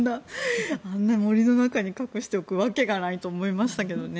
あんな森の中に隠しておくわけがないと思いましたけどね。